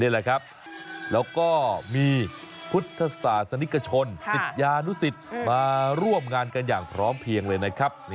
แล้วก็มีพุทธศาสนิกชนสิทยานุสิทธิ์มาร่วมงานกันอย่างพร้อมเพียงเลยนะครับ